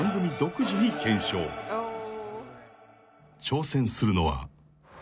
［挑戦するのは］